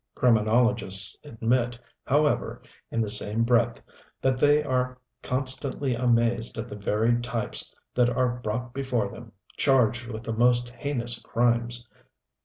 Criminologists admit, however, in the same breath that they are constantly amazed at the varied types that are brought before them, charged with the most heinous crimes.